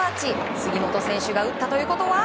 杉本選手が打ったということは。